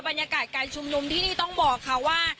บรรยากาศการชุมนุมที่นี่ต้องบอกค่ะว่า